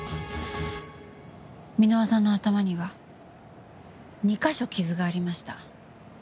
箕輪さんの頭には２カ所傷がありました。